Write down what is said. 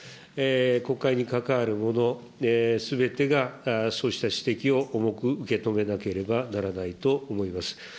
国会に関わるものすべてがそうした指摘を重く受け止めなければならないと思います。